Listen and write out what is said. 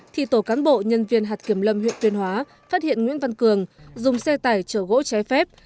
thì tổ cán bộ nhân viên hạt kiểm lâm huyện tuyên hóa phát hiện nguyễn văn cường dùng xe tải chở gỗ trái phép